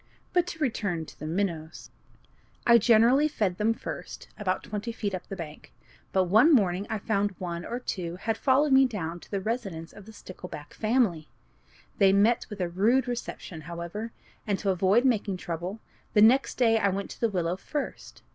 But to return to the minnows. I generally fed them first, about twenty feet up the bank; but one morning I found one or two had followed me down to the residence of the stickleback family. They met with a rude reception, however, and, to avoid making trouble, the next day I went to the willow first.